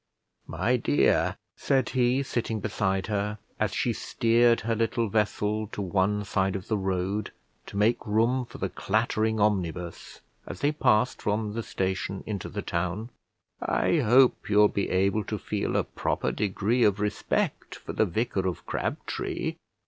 "My dear," said he, sitting beside her, as she steered her little vessel to one side of the road to make room for the clattering omnibus as they passed from the station into the town, "I hope you'll be able to feel a proper degree of respect for the vicar of Crabtree."